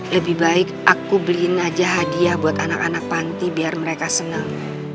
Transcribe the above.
lebih baik aku beliin aja hadiah buat anak anak panti biar mereka senang